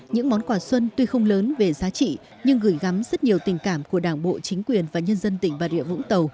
những món quà xuân tuy không lớn về giá trị nhưng gửi gắm rất nhiều tình cảm của đảng bộ chính quyền và nhân dân tỉnh bà rịa vũng tàu